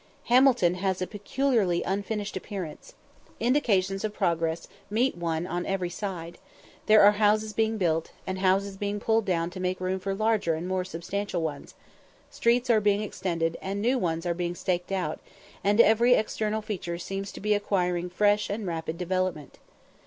Hamilton has a peculiarly unfinished appearance. Indications of progress meet one on every side there are houses being built, and houses being pulled down to make room for larger and more substantial ones streets are being extended, and new ones are being staked out, and every external feature seems to be acquiring fresh and rapid development.